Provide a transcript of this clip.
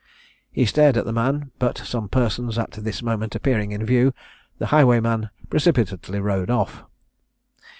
He stared at the man, but some persons at this moment appearing in view, the highwayman precipitately rode off.